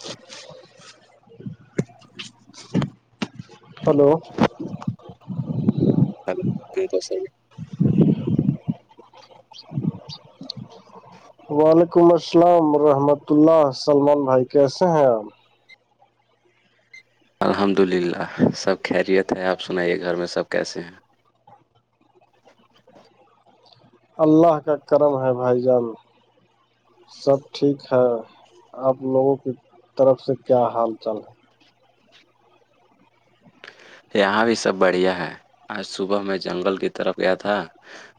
عںں [unintelligible] hello سب ا کو سر [unintelligible] وعلیکم السلام رحمۃ اللہ سلمان بھائی کیسے ہیں آپ الحمد للہ سب خیریت ہے آپ سنائیے گھر میں سب کیسے ہیں اللہ کا کرم ہے بھائی جان سب ٹھیک ہے آپ لوگوں کی طرف سے کیا حال چال ہے یہاں بھی سب بڑھیا ہے آج صبح میں جنگل کی طرف گیا تھا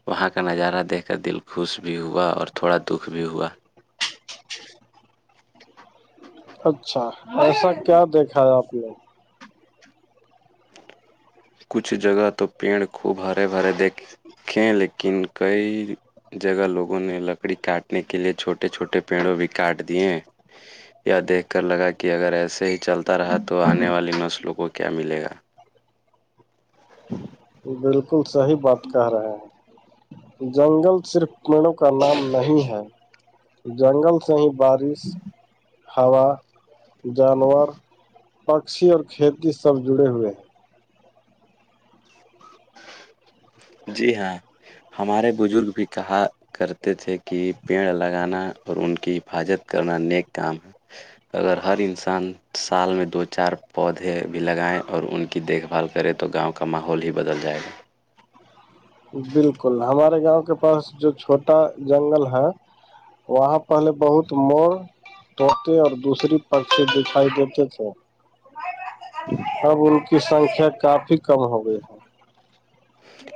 وہاں کا نظارہ دیکھ کر دل خوش بھی ہوا اور تھوڑا دکھ بھی ہوا اچھا ایسا کیا دیکھا ہے آپ نےگ کچھ جگہ تو پیڑ خوب ہرے بھرے دیکھ ب [unintelligible] [inaudible] تھ لیکن کئی جگہ لوگوں نے لکڑی کاٹنے کے لئے چھوٹے چھوٹے پیڑوں بھی کاٹ دیے ہیں یا دیکھ کر لگا کہ اگر ایسے ہی چلتا رہا تو آنے والی نسلوں کو کیا ملے گا غو [unintelligible] [inaudible] بالکل صحیح بات کہہ رہے ہیں جنگل صرف پیڑوں کا نام نہیں ہے جنگل سے ہی بارش ہوا جانور پکشی اور کھیتی سب جڑے ہوئے جی ہاں ہمارے بزرگ بھی کہا کرتے تھے کہ پیڑ لگانا اور ان کی حفاظت کرنا نیک کام ہے اگر ہر انسان سال میں دو چار پودے بھی لگائےیں اور ان کے کی دیکھ بھال کرے تو گاؤں کا ماحول ہی بدل جائے گا بالکل ہمارے گاؤں کے پاس جو چھوٹا جنگل ہے وہاں پہلے بہت مور توتے اور دوسری پک سے دکھائی دیتے تھے اب ان کی سنکھیا کافی کم ہو گئی ہے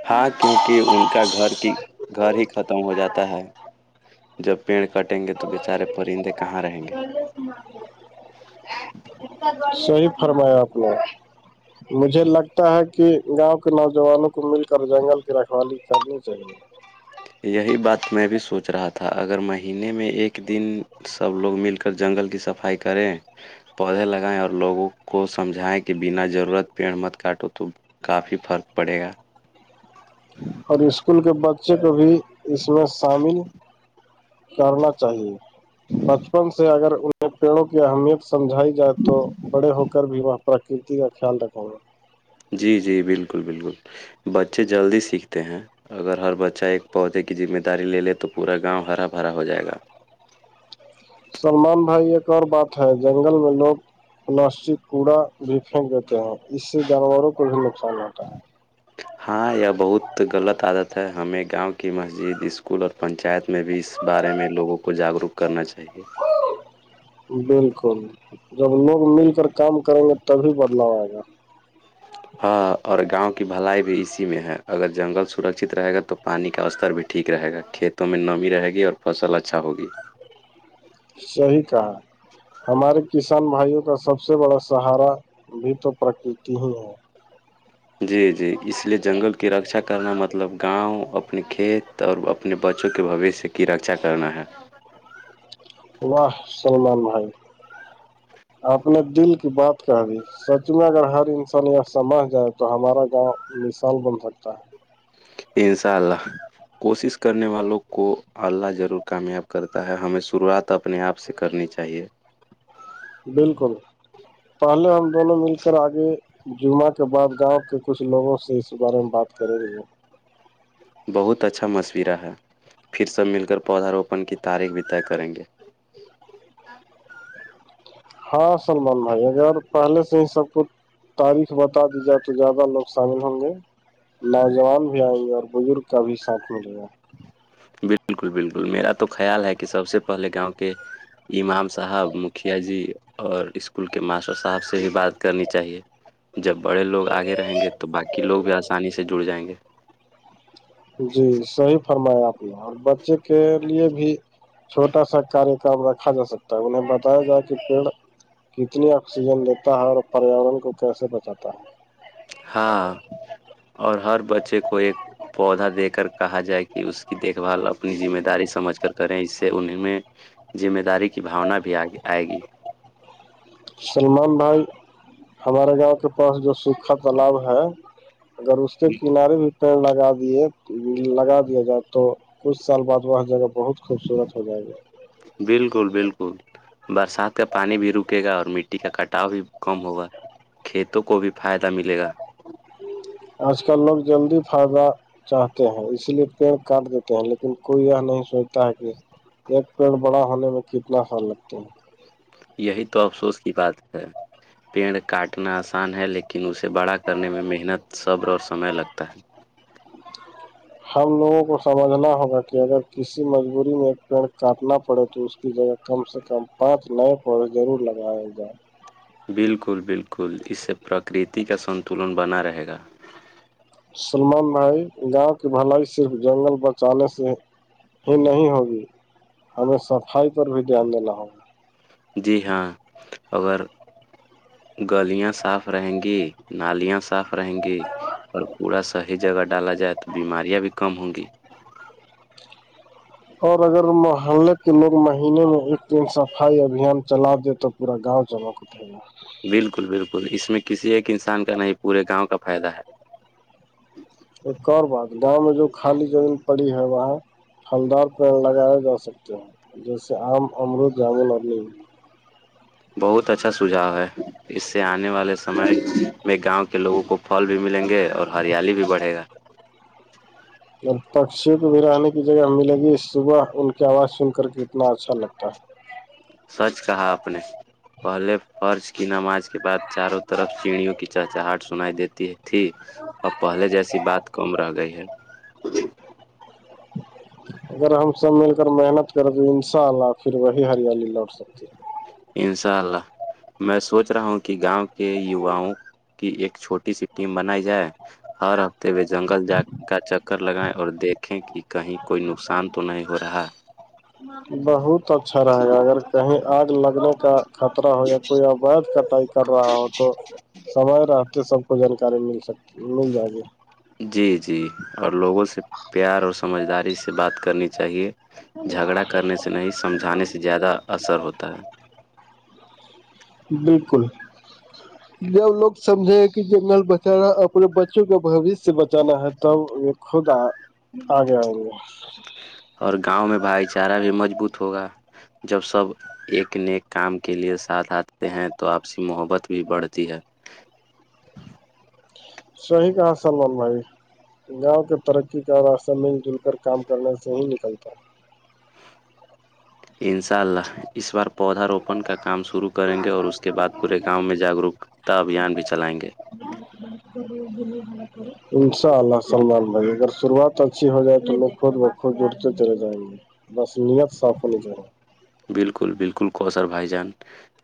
ہاں کیونکہ ان کا گھر کی گھر ہی ختم ہو جاتا ہے جب پیڑ کٹیں گے تو بیچارے پرندے کہاں رہیں گے صحیح فرمایا آپ نے مجھے لگتا ہے کہ گاؤں کے نوجوانوں کو مل کر جنگل کی رکھوالی کرنی چاہیے یہی بات میں بھی سوچ رہا تھا اگر مہینے میں ایک دن سب لوگ مل کر جنگل کی صفائی کریں پودے لگائےیں اور لوگوں کو سمجھائیں کہ بنا ضرورت پیڑ مت کاٹو تو کافی فرق پڑے گا اور اسکول کے بچے کو بھی اس میں شامل کرنا چاہیے بچپن سے اگر انہیں پیڑوں کی اہمیت سمجھائی جائے تو بڑے ہو کر بھی وہاں پراکرتی کا خیال رکھو گا جی جی بالکل بالکل بچے جلدی سیکھتے ہیں اگر ہر بچہ ایک پودے کی ذمہ داری لے لے تو پورا گاؤں ہرا بھرا ہو جائے گا سلمان بھائی ایک اور بات ہے جنگل میں لوگ پلاسٹک کوڑا بھی پھینک دیتے ہیں اس سے جانوروں کو بھی نقصان ہوتا ہے ہاں یہ بہت غلط عادت ہے ہمیں گاؤں کی مسجد اسکول اور پنچایت میں بھی اس بارے میں لوگوں کو جاگروک کرنا چاہیے بالکل جب لوگ مل کر کام کریں گے تبھی بدلاؤ آئے گا ہاں اور گاؤں کی بلائی بھی اسی میں ہے اگر جنگل سرکچت رہے گا تو پانی کا استر بھی ٹھیک رہے گا کھیت میں نمی رہے گی اور فصل اچھا ہوگی صیح کہا ہمارے کسان بھائیوں کا سب سے بڑا سہارا بھی تو پرکرتی ہی ہے جی جی اس لیے جنگل کی رکھا کرنا مطلب گاؤں اپنے کھیت تو اور اپنے بچوں کے بوشیہ کی رکچا کرنا ہے واہ سلمان بھائی آپ نے دل کی بات کہا دی سچ میں اگر ہر انسان سمجھ جائے تو ہمارا گاؤں مثال بن سکتا ہے انشاء اللہ کوشش کرنے والوں کو اللہ ضرور کامیاب کرتا ہے ہمیں شروعات تو اپنے آپ سے کرنی چاہیے بالکل پہلے ہم دونوں مل کر آگے جمعہ کے بعد گاؤں کے کچھ لوگوں سے اس بارے میں بات کریں گے بہت اچھا مشورہ ہے پھر سب مل کر پودا روپن کی تاریخ بھی طے کریں گے ہاں سلمان بھائی اگر پہلے سے ہی سب کچھ تاریخ بتا دی جائے تو زیادہ لوگ شامل ہوں گے نوجوان بھی آئیں گے اور بزرگ کا بھی ساتھ ملے گا بالکل بالکل میرا تو خیال ہے کہ سب سے پہلے گاؤں کے امام صاحب مکھیا جی اور اسکول کے ماسٹر صاحب سے بھی بات کرنی چاہیے جب بڑے لوگ آگے رہیں گے تو باقی لوگ بھی آسانی سے جڑ جائیں گے جی صحیح فرمایا آپ ہے اور بچے کے لیے بھی چھوٹا سا کاریہکم رکھا جا سکتا ہے انہیں بتایا جائے کہ پیڑ کتنی آکسیجن دیتا ہے اور پریاورن کو کیسے بچاتا ہے ہاں اور ہر بچے کو ایک پودا دے کر کہا جائے کہ اس کی دیکھ بھال اپنی ذم داری سمجھ کر کریں اس سے ان میں ذمہ داری کی بھانا بھی آگ آئے گی سلمان بھائی ہمارے گاؤں کے پاس جو سکھا تالاب ہے اگر اس کے کنارے بھی پڑ لگا دیے لگا دیا جائے تو کچھ سال بعد وہ جگہ بہت خوبصورت ہو جائے گا بالکل بالکل برسات کا پانی بھی رکے گا اور مٹی کا کٹاؤ بھی کم ہوگا کھیتوں کو بھی فائدہ ملے گا آج کل لوگ جلدی فائدہ چاہتے ہیں اسی لیے پڑ کاٹ دیتے ہیں لیکن کوئی یہ نہیں سوچتا ہے کہ ایک پیڑ بڑا ہونے میں کتنا خیال لگتا ہے یہی تو افسوس کی بات ہے پیڑ کاٹنا آسان ہے لیکن لیکن اسے بڑا کرنے میں محنت صبر اور سمے لگتا ہے [unintelligible] ہم لوگوں کو سمجھنا ہوگا کہ اگر کسی مجبوری میں ایک پیڑ کاٹنا پڑے تو اس کی جگہ کم سے کم پانچ نئے پودے ضرور لگوائے جائ بالکل بالکل اس سے پرکرتی کا سنتلن بنا رہے گا سلمان بھائی گاؤں کی بھلائی صرف جنگل بچانے سے ہی نہیں ہوگی ہمیں صفائی پر بھی دھیان دینا ہوگا جی ہاں اگر گلیاں صاف رہیں گی نالیاں صاف رہیں گی اور پورا صحیح جگہ ڈالا جائے تو بیماریاں بھی کم ہوں گی اور اگر محلے کے لوگ مہینے میں ایک دن صفائی ابھیان چلا دے تو پا گاؤ جگہ کو تھے ن بالکل بالکل اس میں کسی ایک انسان کا نہیں پورے گاؤں کا فائدہ ہے ایک اور بات گاؤں میں جو خالی زمین پڑی ہے وہاں پھلدار پیڑ لگائے جا سکتے ہیں جیسے آم امرود جامن اور نم بہت اچھا سھاؤ ہے اس سے آنے والے سمے میں گاؤں کے لوگوں کو پھل بھی ملیں گے اور ہریالی بھی بڑھے گا اور پکشیوں کو بھی رہنے کی جگہ ملے گی صبح ان کی آواز سن کر کے اتنا اچھا لگتا ہے سچ کہا آپ نے پہلے فرض کی نماز کے بعد چاروں طرف سیڑیوں کی چہچاہٹ سنائی دیتی تھی اب پہلے جیسی بات کم رہ گئی ہے اگر ہم سب مل کر محنت کریں تو ان شاء اللہ پھر وہی ہریالی لوٹ سکتی انشاء اللہ میں سوچ رہا ہوں کہ گاؤں کے یواؤں کی ایک چھوٹی سی ٹیم بنائی جائے ہر ہفتے جنگل جا کا چکر لگائیں اور دیکھیں کہ کہیں کوئی نقصان تو نہیں ہو رہا بہت اچھا رہے گا اگر کہیں آگ لگنے کا خطرہ ہو یا کوئی اوھ کٹائی کر رہا ہو تو سمئے رہتے سب کو جانکاری مل سکتی مل جائے گی جی جی اور لوگوں سے پیار اور سمجھداری سے بات کرنی چاہیے جھگڑا کرنے سے نہیں سمجھانے سے زیادہ اثر ہوتا ہے بالکل جب لوگ سمجھے ہے کہ جنگل بچ رہا اپنے بچوں کا بوشیہ سے بچانا ہے تب خود آ آگے آے اور گاؤں میں بھائی چارہ بھی مضبوط ہوگا جب سب ایک نیک کام کے لیے ساتھ آتے ہیں تو آپ سے محبت بھی بڑھتی ہے صحیح کہااں سل اللہائی گاؤں کے ترقی کا واثہ مل جل کر کام کرنے سے ہی نکلتا ہے انشاء اللہ اس بار پودا روپن کا کام شروع کریں گے اور اس کے بعد پورے گاؤں میں جاگروکتا ابھیان بھی چلائیں گے بول انشاء اللہ اللمان بھائی اگر شروعات اچھی ہو جائے تو لوگ خود بخود جرتے چرے جائیں گے بس نیت صاف ہونی چاہا بالکل بالکل کوثر بھائی جان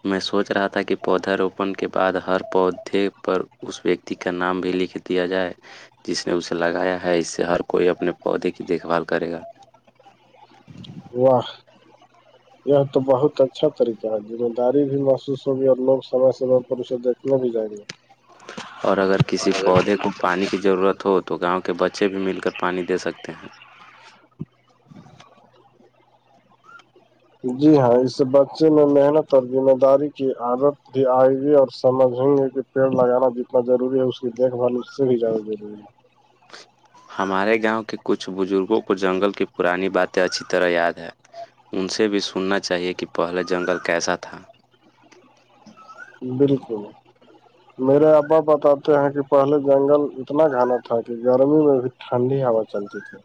میں سوچ رہا تھا کہ پودا روپن کے بعد ہر پودے پر اس کا نام بھی لکھ دیا جائے جس نے اسے لگایا ہے اس سے ہر کوئی اپنے پودے کی دیکھ بھال کرے گا واہ یہ تو بہت اچھا طریقہ ہےا جذمہ داری بھی محسوس ہوگی ہے اور لوگ سم سمے پر اسے اتنا بھی جاہی ہے اور اگر کسی پودے کو پانی کی ضرورت ہو تو گاؤں کے بچے بھی مل کر پانی دے سکتے ہیں جی ہاں اس سے بچے میں محنت اور ذمہ داری کی عادت بھی آئے گئی اور سمجھ گے پیڑ لگانا جتنا ضروری ہے اس کی دیکھ بھال اس سے بھی زیادہ ضروری ہے ہمارے گاؤں کے کچھ بزرگوں کو جنگل کی پرانی باتیں اچھی طرح یاد ہے ان سے بھی سننا چاہیے کہ پہلے جنگل کیسا تھا بالکل میرے ابا بتاتے ہیں کہ پہلے جنگل اتنا گھناا تھا کہ گرمی میں بھی ٹھنڈی ہوا چلتی تھی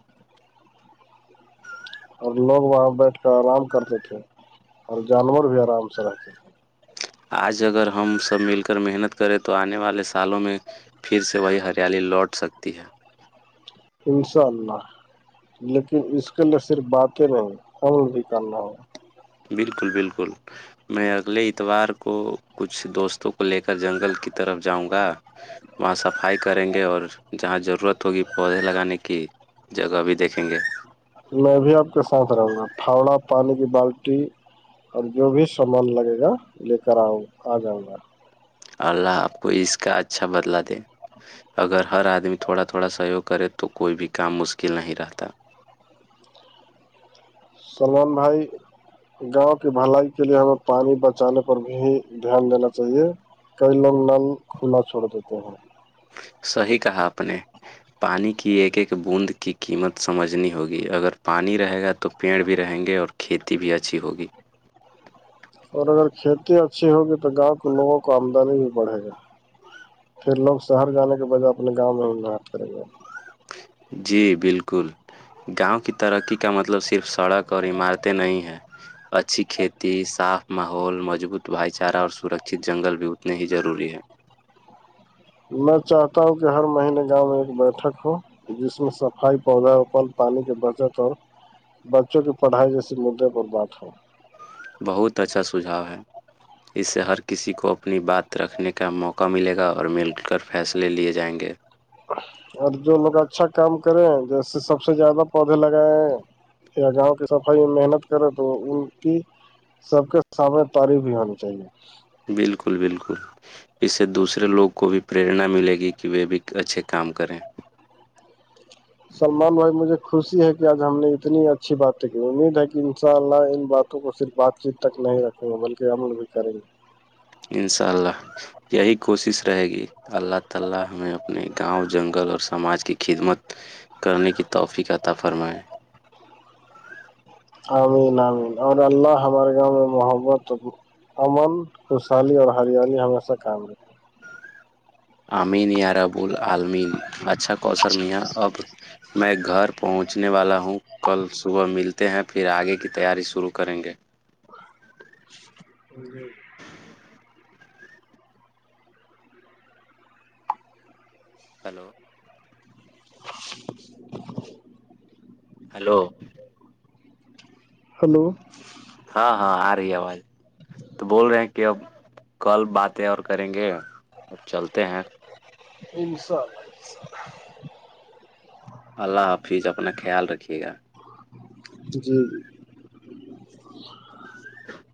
اور لوگ وہاں بیٹھ کر آرام کرتے تھے اور جانور بھی آرام سے رہتے تھے آج اگر ہم سب مل کر محنت کریں تو آنے والے سالوں میں پھر سے وہی ہریالی لوٹ سکتی ہے انشاء اللہ لیکن اس کے لیے صرف باتیں نہیں کون بھی کرنا ہو بالکل بالکل میں اگلے اتوار کو کچھ دوستوں کو لے کر جنگل کی طرف جاؤں گا وہاں صفائی کریں گے اور جہاں ضرورت ہوگی پودے لگانے کی جگہ بھی دیکھیں گے میں بھی آپ کے ساتھ رہوں گا پھاوڑا پانی کی بالٹی اور جو بھی سامان لگے گا لے کر آؤں آ جاؤں گا اللہ آپ کو اس کا اچھا بدلا دیں اگر ہر آدمی تھوڑا تھوڑا سہیوگ کرے تو کوئی بھی کام مشکل نہیں رہتا سلمان بھائی گاؤں کی بھلائی کے لیے ہمیں پانی بچانے پر بھی دھیان دینا چاہیے کئی لوگ کھلا چھوڑ دیتے ہیں صحیح کہا آپ نے پانی کی ایک ایک بوند کی قیمت سمجھنی ہوگی اگر پانی رہے گا تو پیڑ بھی رہیں گے اور کھیتی بھی اچھی ہوگی اور اگر کھیتی اچھی ہوگی تو گاؤں کے لوگوں کو آمدنی بھی بڑھے گی پھر لوگ شہر جانے کے بجہ اپنے گاں میںات کریں گے جی بالکل گاؤں کی ترقی کا مطلب صرف سڑک اور عمارتیں نہیں ہیں اچھی کھیتی صاف ماحول مضبوط بھائی چارہ اور سرکت جنگل بھی اتنے ہی ضروری ہے میں چاہتا ہوں کہ ہر مہینے گاؤں میں ایک بیٹھک ہو جس میں صفائی پودا پل پانی کی بچت اور بچوں کی پڑھائی جیسے مدعے پر بات ہو بہت اچھا سجھاؤ ہے اس سے ہر کسی کو اپنی بات رکھنے کا موقع ملے گا اور مل کر فیصلے لیے جائیں گے اور جو لوگ اچھا کام کریں جیسے سب سے زیادہ پودے لگائے یا گاؤں کی صفائی میں محنت کرے تو ان کی سب کے سامنے تاریف بھی ہونی چاہیے بالکل بالکل اس سے دوسرے لوگ کو بھی پریرنا ملے گی کہ وہ بھی اچھے کام کریں سلمان بھائی مجھے خوشی ہے کہ آج ہم نے اتنی اچھی باتیں کی امید ہے کہ ان شاء اللہ ان بات کو صرف بات چیت تک نہیں رکھوں گا بلکہ عمل بھی کریں گے ان شاء اللہ یہی کوشش رہے گی اللہ تعالی ہمیں اپنے گاؤں جنگل اور سماج کی خدمت کرنے کی توفی کا عطا فرمائے عمین عمین اور اللہ ہمارے گاؤں میں محبت امن خوشحالی اور ہریالی ہمیشہ قائم رہکھتی ہے امین یاربول عالمین اچھا کوثر میاں اب میں گھر پہنچنے والا ہوں کل صبح ملتے ہیں پھر آگے کی تیاری شروع کریں گے ج ج ہیلو ہلو ہلو ہاں ہاں آ رہی ہے آواز تو بول رہے ہیں کہ اب کل باتیں اور کریں گے اب چلتے ہیں ان شاء اللہ ان شاءلہ اللہ حافظ اپنا خیال رکھیے گا جی جی ج [inaudible]